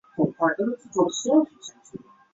这是世界终结之路。